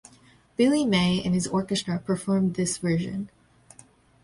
Billy May and His Orchestra perform in this version.